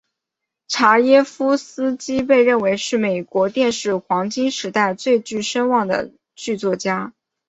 查耶夫斯基被认为是美国电视黄金时代最具声望的剧作家。